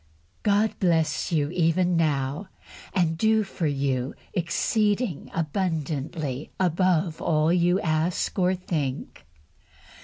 God bless you even now, and do for you exceeding abundantly above all you ask or think!